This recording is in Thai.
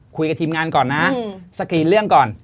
คุยกับทีมงานก่อนนะสกรีนเรื่องก่อน